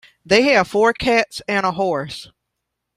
They have four cats and a horse.